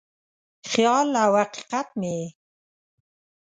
خیال او حقیقت مې یې